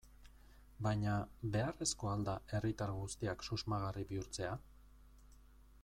Baina, beharrezkoa al da herritar guztiak susmagarri bihurtzea?